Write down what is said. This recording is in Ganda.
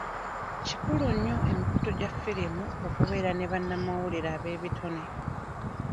Kikulu nnyo emikutu gya ffirimu okubeera ne bannamawulire abeebitone.